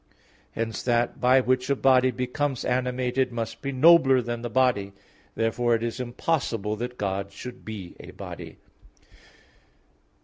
Hence that by which a body becomes animated must be nobler than the body. Therefore it is impossible that God should be a body.